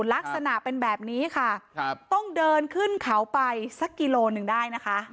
ลักษณะเป็นแบบนี้ค่ะต้องเดินขึ้นเขาไปสักกิโลหนึ่งได้นะคะ